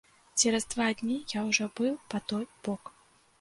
Цераз два дні я ўжо быў па той бок.